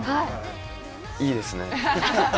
いいですね。